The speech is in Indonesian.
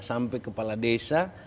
sampai kepala desa